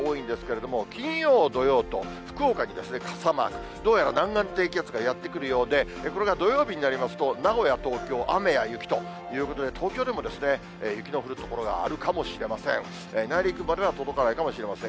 どうやら南岸低気圧がやって来るようで、これが土曜日になりますと、名古屋、東京、雨や雪ということで、東京でも雪の降る所があるかもしれません。